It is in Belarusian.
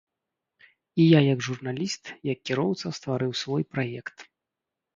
І я як журналіст, як кіроўца стварыў свой праект.